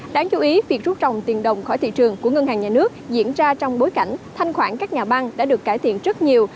đáng chú ý việc rút trồng tiền đồng khỏi thị trường của ngân hàng nhà nước diễn ra trong bối cảnh thanh khoản các nhà băng đã được cải thiện rất nhiều